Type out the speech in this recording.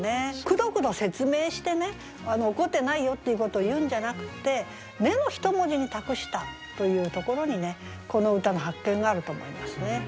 くどくど説明してね怒ってないよっていうことを言うんじゃなくって「ね」の一文字に託したというところにねこの歌の発見があると思いますね。